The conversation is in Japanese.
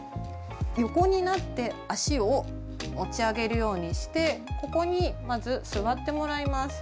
横になって足を持ち上げるようにしてここにまず座ってもらいます。